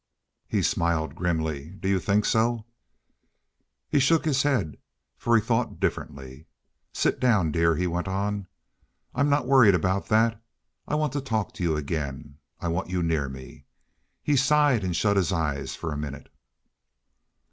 He smiled grimly. "Do you think so?" He shook his head, for he thought differently. "Sit down, dear," he went on, "I'm not worrying about that. I want to talk to you again. I want you near me." He sighed and shut his eyes for a minute.